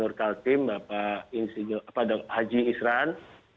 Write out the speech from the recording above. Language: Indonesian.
terima kasih pak gubernur kalimantan timur pak haji isran